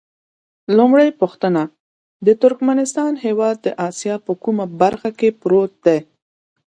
لومړۍ پوښتنه: د ترکمنستان هېواد د اسیا په کومه برخه کې پروت دی؟